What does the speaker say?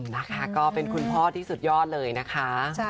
นะคะก็เป็นคุณพ่อที่สุดยอดเลยนะคะ